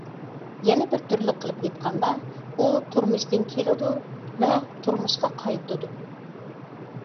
يەنە بىر تۈرلۈك قىلىپ ئېيتقاندا، ئۇ تۇرمۇشتىن كېلىدۇ ۋە تۇرمۇشقا قايتىدۇ.